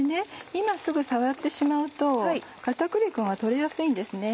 今すぐ触ってしまうと片栗粉が取れやすいんですね。